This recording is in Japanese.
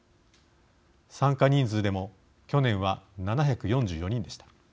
参加人数でも去年は７４４人でした。